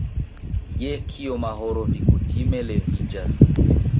Je kioma horo vi kutime leviĝas?